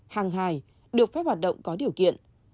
hàng hài được phép hoạt động có điều kiện